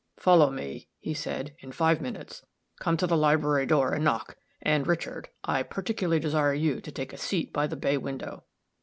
"Follow me," he said, "in five minutes. Come to the library door, and knock; and, Richard, I particularly desire you to take a seat by the bay window."